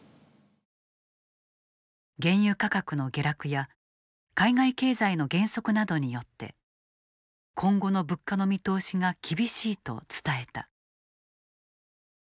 原油価格の下落や海外経済の減速などによって今後の物価の見通しが厳しいと伝えた。